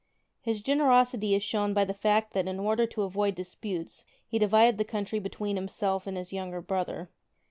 His generosity is shown by the fact that in order to avoid disputes he divided the country between himself and his younger brother.